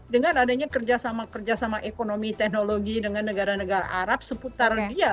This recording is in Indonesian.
dengan adanya kerjasama kerjasama ekonomi teknologi dengan negara negara arab seputar dia